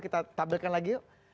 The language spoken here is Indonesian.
kita tampilkan lagi yuk